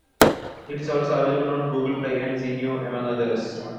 It is also available on Google Play and Zinio, among others.